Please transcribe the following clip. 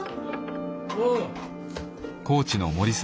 おう。